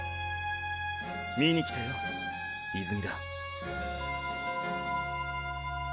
見に来たよ泉田。